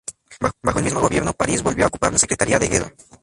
Bajo el mismo gobierno, París volvió a ocupar la Secretaría de Guerra.